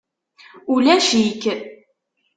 Ulac-ik.